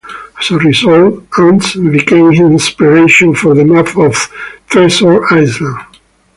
As a result, Unst became his inspiration for the map of 'Treasure Island'.